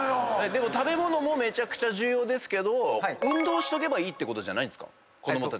でも食べ物もめちゃくちゃ重要ですけど運動しとけばいいってことじゃないんですか？